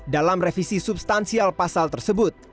dalam revisi substansial pasal tersebut